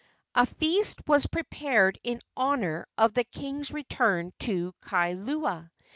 A feast was prepared in honor of the king's return to Kailua.